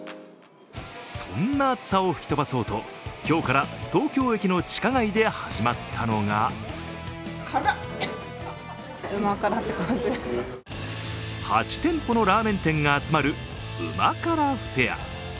そんな暑さを吹き飛ばそうと今日から東京駅の地下街で始まったのが８店舗のラーメン店が集まる旨辛フェア。